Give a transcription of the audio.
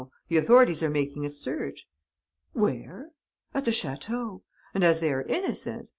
The authorities are making a search." "Where?" "At the château. And, as they are innocent....